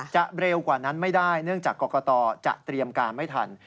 เร็วกว่านั้นไม่ได้เนื่องจากกรกตจะเตรียมการไม่ทัน